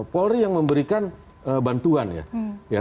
polri yang memberikan bantuan ya